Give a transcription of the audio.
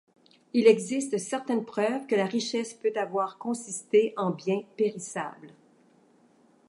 Il existe certaines preuves que la richesse peut avoir consisté en biens périssables.